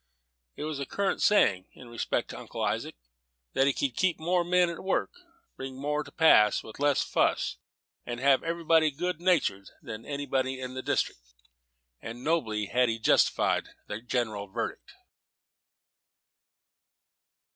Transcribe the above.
It was a current saying, in respect to Uncle Isaac, that he could keep more men at work, bring more to pass, with less fuss, and have everybody good natured, than any man in the district; and nobly had he justified the general verdict.